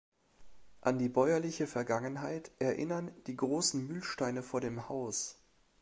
An die bäuerliche Vergangenheit erinnern die großen Mühlsteine vor dem Haus.